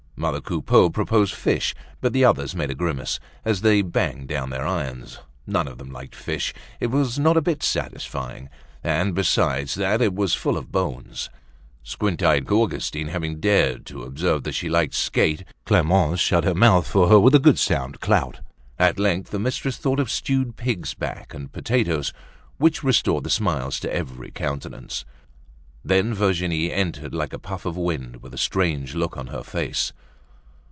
Mother Coupeau proposed fish. But the others made a grimace, as they banged down their irons. None of them liked fish; it was not a bit satisfying; and besides that it was full of bones. Squint eyed Augustine, having dared to observe that she liked skate, Clemence shut her mouth for her with a good sound clout. At length the mistress thought of stewed pig's back and potatoes, which restored the smiles to every countenance. Then Virginie entered like a puff of wind, with a strange look on her face.